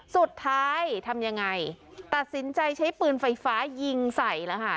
สุดท้ายทำยังไงตัดสินใจใช้ปืนไฟฟ้ายิงใส่แล้วค่ะ